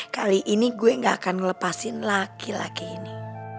kali ini gue gak akan ngelepasin laki laki ini